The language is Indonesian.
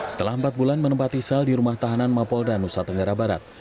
setelah empat bulan menempati sal di rumah tahanan mapolda nusa tenggara barat